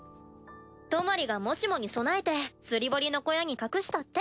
トマリがもしもに備えて釣堀の小屋に隠したって。